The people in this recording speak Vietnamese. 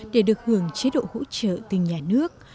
để được hưởng chế độ hỗ trợ từ nhà nước